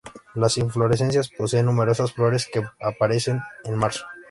Las inflorescencias poseen numerosas flores que aparecen en marzo.